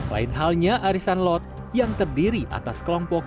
lain halnya arisan lot yang terdiri atas kelompok